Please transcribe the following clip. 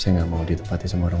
saya ga mau ditempati semua orang